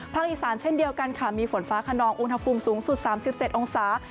อีสานเช่นเดียวกันค่ะมีฝนฟ้าขนองอุณหภูมิสูงสุด๓๗องศา